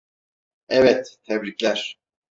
Evet, tebrikler.